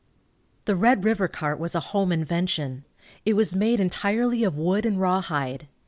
The Red river cart was a home invention. It was made entirely of wood and rawhide.